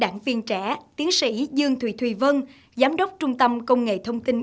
giảng viên trẻ tiến sĩ dương thùy thùy vân giám đốc trung tâm công nghệ thông tin